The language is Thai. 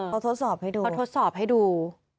เขาทดสอบให้ดู